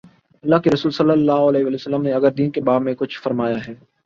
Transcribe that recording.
اﷲ کے رسولﷺ نے اگر دین کے باب میں کچھ فرمایا ہے۔